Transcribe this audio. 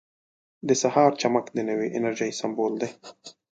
• د سهار چمک د نوې انرژۍ سمبول دی.